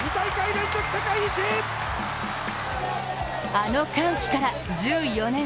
あの歓喜から１４年。